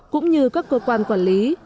cũng như các cơ quan quản lý